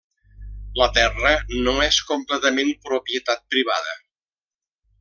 La terra no és completament propietat privada.